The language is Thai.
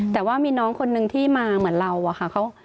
แต่ว่ามีน้องคนนึงที่มาเหมือนเราอะค่ะ